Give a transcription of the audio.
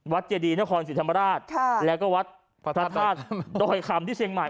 วัดเจดีนครศิษย์ธรรมดาชแล้วก็วัดพระธาตุนอยคำที่เชียงใหม่